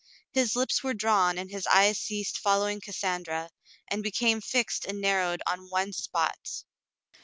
His lips were drawn, and his eyes ceased following Cassandra, and became fixed and narrowed on one spot.